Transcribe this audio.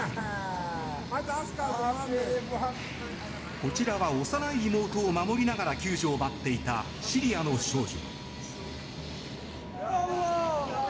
こちらは幼い妹を守りながら救助を待っていたシリアの少女。